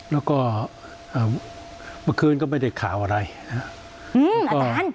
แล้วก็เมื่อคืนก็ไม่ได้ข่าวอะไรนะครับ